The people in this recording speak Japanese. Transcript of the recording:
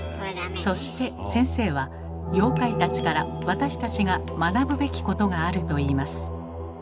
そして先生は妖怪たちから私たちが学ぶべきことがあると言います。